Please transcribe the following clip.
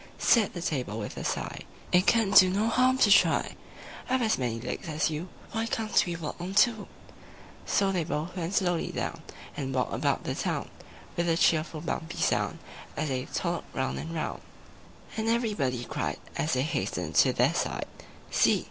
Said the Table with a sigh, "It can do no harm to try. I've as many legs as you: Why can't we walk on two?" III So they both went slowly down, And walked about the town With a cheerful bumpy sound As they toddled round and round; And everybody cried, As they hastened to their side, "See!